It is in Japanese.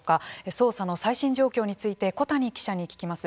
捜査の最新状況について小谷記者に聞きます。